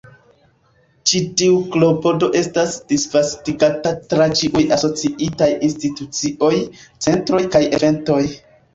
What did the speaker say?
Ĉi tiu klopodo estas disvastigata tra ĉiuj asociitaj institucioj, centroj kaj eventoj.